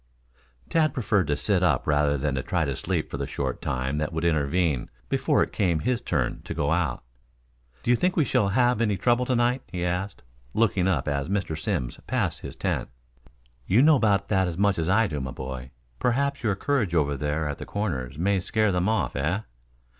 Tad preferred to sit up rather than to try to sleep for the short time that would intervene before it came his turn to go out. "Do you think we shall have any trouble tonight?" he asked, looking up as Mr. Simms passed his tent. "You know as much about that as I do, my boy. Perhaps your courage over at the Corners may scare them off, eh?